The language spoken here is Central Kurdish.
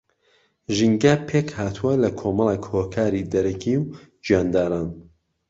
ژینگە پێکھاتووە لە کۆمەڵێک ھۆکاری دەرەکی و گیانداران